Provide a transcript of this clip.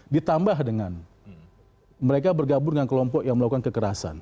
ditambah dengan mereka bergabung dengan kelompok yang melakukan kekerasan